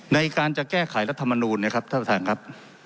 ในการจะแก้ไขรัฐมนูลนะครับท่านประธานครับ